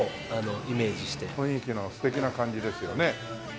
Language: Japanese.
雰囲気の素敵な感じですよね。